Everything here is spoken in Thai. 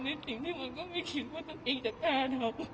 ในสิ่งที่มันก็ไม่คิดว่าตัวเองจะกล้าทำ